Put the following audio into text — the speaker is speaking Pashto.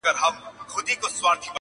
په لومړۍ شپه وو خپل خدای ته ژړېدلی٫